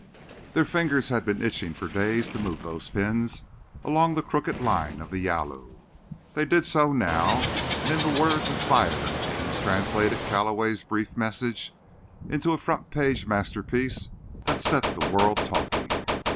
Their fingers had been itching for days to move those pins along the crooked line of the Yalu. They did so now; and in words of fire Ames translated Calloway's brief message into a front page masterpiece that set the world talking.